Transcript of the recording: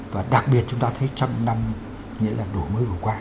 và đặc biệt chúng ta thấy trăm năm